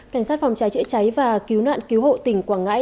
cảnh sát phòng trái trễ cháy và cứu nạn cứu hộ tỉnh quảng ngãi